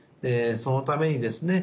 そのためにですね